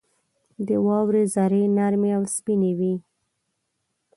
• د واورې ذرې نرمې او سپینې وي.